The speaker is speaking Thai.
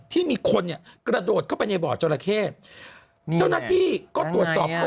ที่มีคนเนี่ยกระโดดเข้าไปในบ่อจราเข้เจ้าหน้าที่ก็ตรวจสอบ